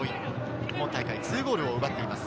今大会２ゴールを奪っています。